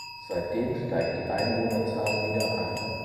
Seitdem steigt die Einwohnerzahl wieder an.